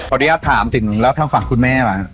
พอดีอะถามถึงแล้วทั้งฝั่งคุณแม่ว่ะ